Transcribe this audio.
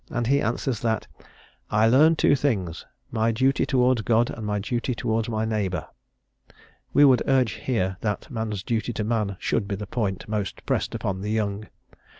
and he answers that "I learn two things: my duty towards God and my duty towards my neighbour." We would urge here that man's duty to man should be the point most pressed upon the young.